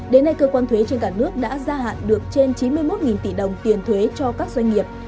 đến nay cơ quan thuế trên cả nước đã gia hạn được trên chín mươi một tỷ đồng tiền thuế cho các doanh nghiệp